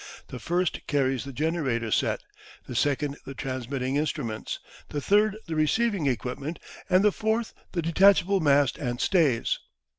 The first carries the generator set, the second the transmitting instruments, the third the receiving equipment, and the fourth the detachable mast and stays.